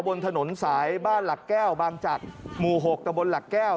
บนถนนสายบ้านหลักแก้วบางจักรหมู่๖ตะบนหลักแก้ว